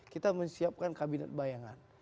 kita menyiapkan kabinet bayangan